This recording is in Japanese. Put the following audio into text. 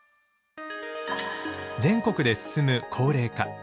全国で進む高齢化。